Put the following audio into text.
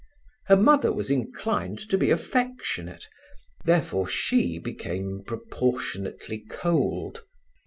Her mother was inclined to be affectionate, therefore she became proportionately cold.